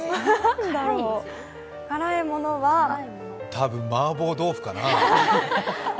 多分、マーボー豆腐かな。